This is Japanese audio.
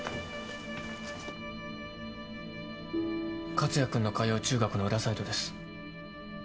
克哉君の通う中学の裏サイトです。